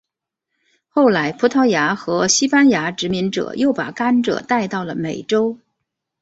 后来葡萄牙和西班牙殖民者又把甘蔗带到了美洲。